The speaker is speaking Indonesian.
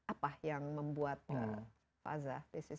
apa yang membuat faza